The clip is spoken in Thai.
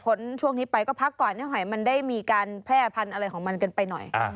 ช่วงนี้ไปก็พักก่อนเนื้อหอยมันได้มีการแพร่พันธุ์อะไรของมันกันไปหน่อย